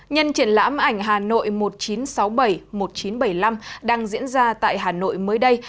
nhân triển lãm ảnh hà nội một nghìn chín trăm sáu mươi bảy một nghìn chín trăm bảy mươi năm đang diễn ra tại hà nội mới đây